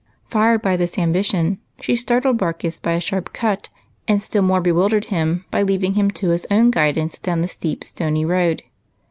152 EIGHT COUSINS. Fired by this ambition, she startled Barkis by a sharp cut, and still more bewildered him by leaving him to his own guidance down the steej), stony road.